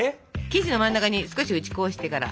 生地の真ん中に少し打ち粉をしてから。